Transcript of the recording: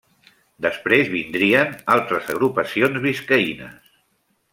Després vindrien altres agrupacions biscaïnes.